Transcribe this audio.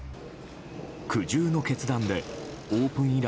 苦渋の決断でオープン以来